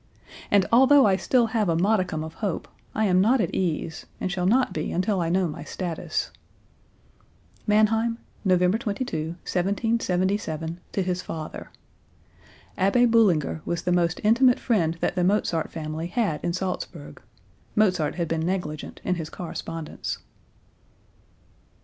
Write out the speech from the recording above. And although I still have a modicum of hope, I am not at ease and shall not be until I know my status." (Mannheim, November 22, 1777, to his father. Abbe Bullinger was the most intimate friend that the Mozart family had in Salzburg. Mozart had been negligent in his correspondence.)